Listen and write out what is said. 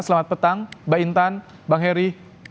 selamat petang mbak intan bang heri